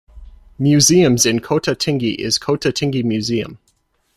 Museums in Kota Tinggi is Kota Tinggi Museum.